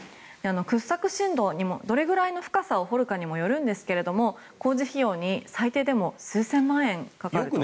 掘削深度、どれくらいの深さを掘るかにもよるんですが工事費用に最低でも数千万円かかると。